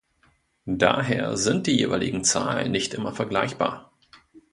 Daher sind die jeweiligen Zahlen nicht immer vergleichbar.